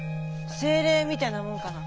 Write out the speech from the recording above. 精霊みたいなもんかな。